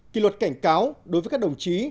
kỷ luật cảnh cáo đối với các đồng chí